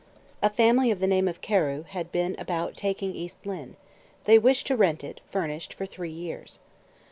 A family of the name of Carew had been about taking East Lynne; they wished to rent it, furnished, for three years.